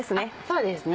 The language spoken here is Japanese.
そうですね